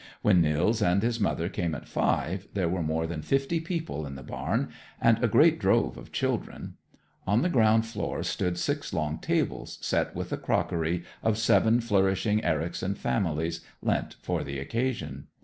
When Nils and his mother came at five, there were more than fifty people in the barn, and a great drove of children. On the ground floor stood six long tables, set with the crockery of seven flourishing Ericson families, lent for the occasion.